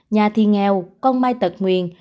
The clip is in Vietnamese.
nhà thì nghèo con mai tật nguyền